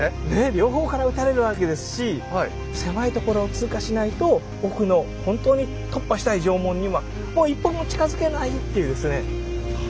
両方から撃たれるわけですし狭いところを通過しないと奥の本当に突破したい城門にはもう一歩も近づけないっていうですね。